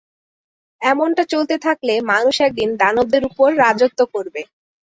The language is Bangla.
এমনটা চলতে থাকলে, মানুষ একদিন দানবদের উপর রাজত্ব করবে।